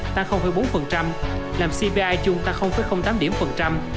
tăng bốn làm cpi chung tăng tám điểm phần trăm